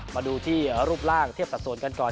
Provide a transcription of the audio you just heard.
มาดูที่รูปร่างเทียบสัดส่วนกันก่อน